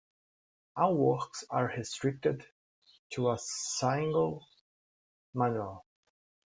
All works are restricted to a single manual.